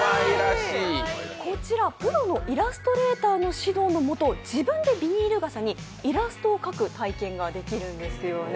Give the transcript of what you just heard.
こちらプロのイラストレーターの指導のもと自分でビニール傘にイラストを描く体験ができるんですよね。